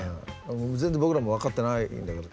全然僕らも分かってないんだけど。